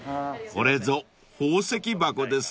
［これぞ宝石箱ですねぇ］